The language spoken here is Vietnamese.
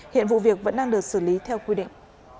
hiện vụ việc vẫn đang được xử lý theo quy định